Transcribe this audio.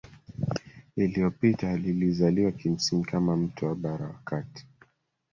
iliyopita Ilizaliwa kimsingi kama mto wa bara wakati